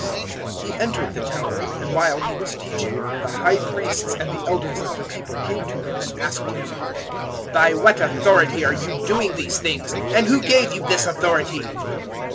021:023 He entered the Temple; and while He was teaching, the High Priests and the Elders of the people came to Him and asked Him, "By what authority are you doing these things? and who gave you this authority?"